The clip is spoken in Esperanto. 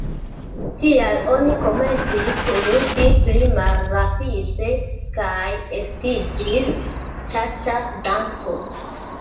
Tial oni komencis ludi pli malrapide kaj estiĝis ĉaĉa-danco.